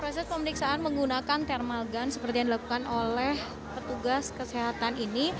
proses pemeriksaan menggunakan thermal gun seperti yang dilakukan oleh petugas kesehatan ini